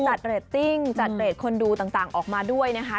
มันไม่ได้มีการจัดเรทติ้งจัดเรทคนดูต่างออกมาด้วยนะคะ